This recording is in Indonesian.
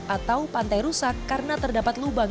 atau pantai rusak karena terdapat lubang